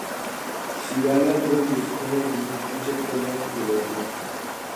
شىبەلەر بۇ يېزىقنى بۈگۈنگىچە قوللىنىپ كېلىۋاتىدۇ.